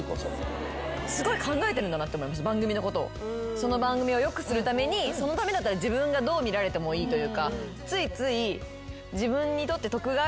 その番組を良くするためにそのためだったら自分がどう見られてもいいというかついつい。